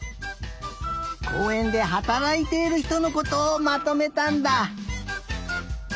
こうえんではたらいているひとのことをまとめたんだ。